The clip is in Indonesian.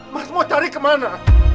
mas mau cari kemana